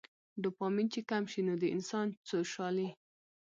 ډوپامين چې کم شي نو د انسان څوشالي